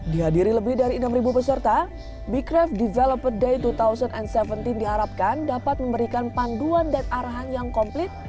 dihadiri lebih dari enam peserta becraft developer day dua ribu tujuh belas diharapkan dapat memberikan panduan dan arahan yang komplit